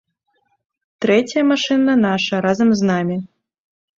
Трэцяя машына наша разам з намі.